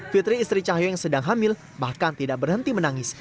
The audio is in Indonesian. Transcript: fitri istri cahyo yang sedang hamil bahkan tidak berhenti menangis